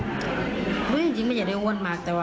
จริงจริงไม่ใช่ได้อ้วนมากแต่ว่า